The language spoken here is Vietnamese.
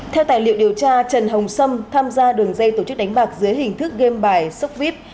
theo tài liệu điều tra trần hồng sâm tham gia đường dây tổ chức đánh bạc dưới hình thức game bài sốcvip